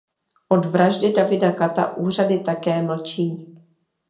Od vraždy Davida Kata úřady také mlčí.